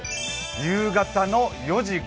夕方の４時、５時。